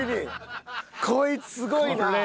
こいつすごいな。